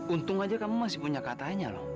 untung aja kamu masih punya katanya loh